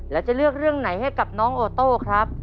แล้วจะเลือกเรื่องไหนให้กับน้องโอโต้ครับ